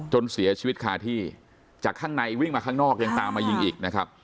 จนเสียชีวิตคาที่จากข้างในวิ่งมาข้างนอกยังตามมายิงอีกนะครับ